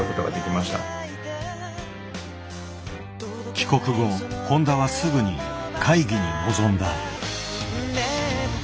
帰国後誉田はすぐに会議に臨んだ。